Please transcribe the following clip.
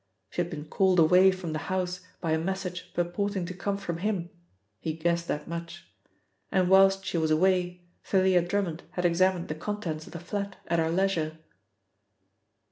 She had been called away from the house by a message purporting to come from him he guessed that much. And whilst she was away Thalia Drummond had examined the contents of the flat at her leisure.